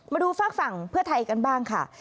มาดูฝากฝั่งเพื่อไทยกันบ้างค่ะ